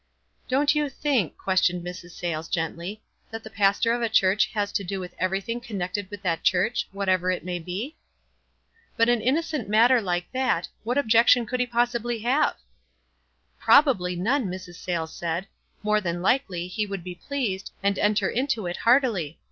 "Don't you think," questioned Mrs. Sayles, gently, " that the pastor of a church has to do 44 WISE AND OTHERWISE. with everything connected with that church, whatever it may be?" "But an innocent matter like that — what ob jection could he possibly have?" "Probably none," Mrs. Sayles said. "More than likely, he would be pleased, and enter into it heartily.